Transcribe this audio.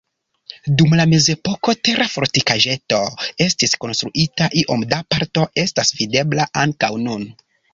Dum la mezepoko tera fortikaĵeto estis konstruita, iom da parto estas videbla ankaŭ nun.